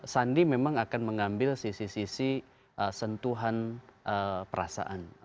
sandi memang akan mengambil sisi sisi sentuhan perasaan